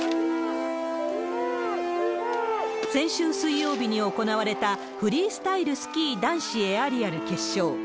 先週水曜日に行われたフリースタイルスキー男子エアリアル決勝。